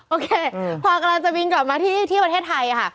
โอเคพอกำลังจะบินกลับมาที่ประเทศไทยค่ะ